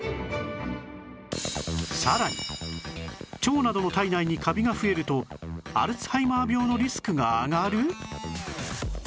さらに腸などの体内にカビが増えるとアルツハイマー病のリスクが上がる！？